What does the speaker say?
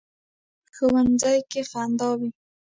ښوونځی کې خندا وي